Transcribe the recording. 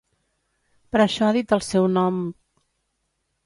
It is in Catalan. Per això ha dit el seu nom...